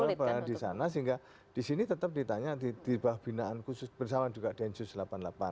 saya berada di sana sehingga di sini tetap ditanya di bawah binaan khusus bersama juga densus delapan puluh delapan